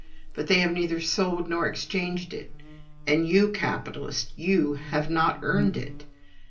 But they have neither sold nor exchanged it; and you, capitalist, you have not earned it.